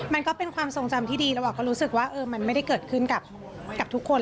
มันก็เป็นความทรงจำที่ดีระหว่างก็รู้สึกว่ามันไม่ได้เกิดขึ้นกับทุกคน